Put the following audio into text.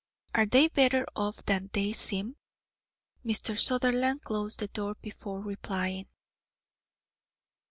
Are they better off than they seem?" Mr. Sutherland closed the door before replying.